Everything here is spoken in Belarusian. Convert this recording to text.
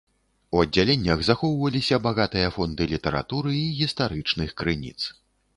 У аддзяленнях захоўваліся багатыя фонды літаратуры і гістарычных крыніц.